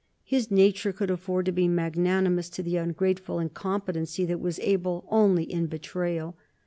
His nature could afford to be magnanimous to the ungrateful incompetency that was able only in betrayal.